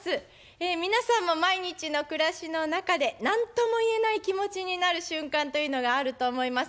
え皆さんも毎日の暮らしの中で何とも言えない気持ちになる瞬間というのがあると思います。